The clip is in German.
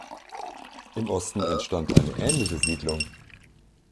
Im Osten entstand eine ähnliche Siedlung.